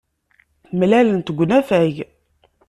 Mlalent deg unafag.